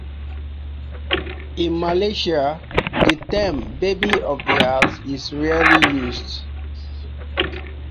In Malaysia the term "Baby of the House" is rarely used.